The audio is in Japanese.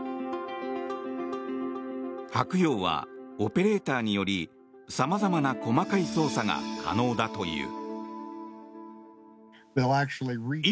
「はくよう」はオペレーターにより様々な細かい操作が可能だという。